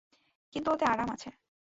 কিন্তু ওতে আরাম আছে।